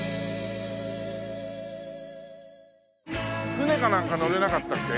船かなんか乗れなかったっけ？